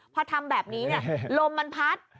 พอทำแบบนี้ลมมันพัด